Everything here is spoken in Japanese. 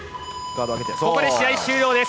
ここで試合終了です。